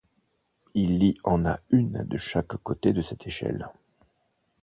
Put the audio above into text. Il y en a une de chaque côté de cette échelle.